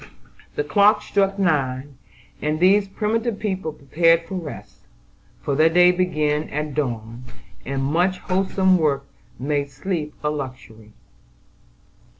The clock struck nine, and these primitive people prepared for rest; for their day began at dawn, and much wholesome work made sleep a luxury.